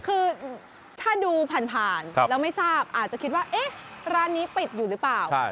คือถ้าดูผ่านแล้วไม่ทราบอาจจะคิดว่าเอ๊ะร้านนี้ปิดอยู่หรือเปล่า